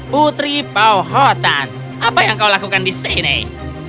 putri pauh hutan apa yang kau lakukan di sini